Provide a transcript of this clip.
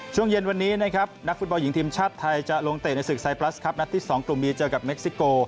ช่วงเย็นวันนี้นะครับนักฟุตบอลหญิงทีมชาติไทยจะลงเตะในศึกไซปลัสครับนัดที่๒กลุ่มนี้เจอกับเม็กซิโก